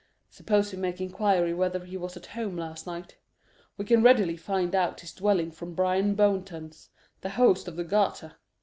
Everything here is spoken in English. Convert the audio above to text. "Suppose we make inquiry whether he was at home last night. We can readily find out his dwelling from Bryan Bowntance, the host of the Garter."